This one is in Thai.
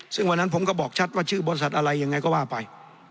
ซึ่งวันนั้นผมก็บอกชัดว่าชื่อบริษัทอะไรยังไงก็ว่าไป